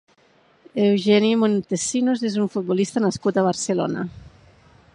Eugenio Montesinos és un futbolista nascut a Barcelona.